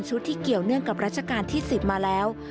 ที่เกี่ยวเนื่องกับรัชกาลที่๑๐มาแล้ว